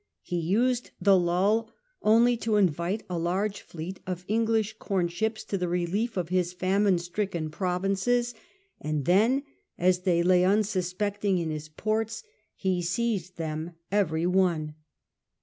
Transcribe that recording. He used the lull only to invite a large fleet of English corn ships to the relief of his famine stricken provinces, and then as they lay unsuspecting in his ports he seized CHAP. VIII THE INDIES VOYAGE 99 them every one.